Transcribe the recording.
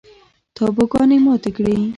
تابوگانې ماتې کړي